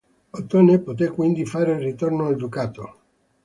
Ottone poté quindi fare ritorno al ducato.